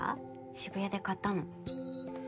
渋谷で買ったの。